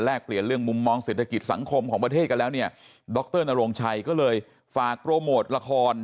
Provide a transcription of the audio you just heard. เปลี่ยนเรื่องมุมมองเศรษฐกิจสังคมของประเทศกันแล้วเนี่ยดรนโรงชัยก็เลยฝากโปรโมทละคร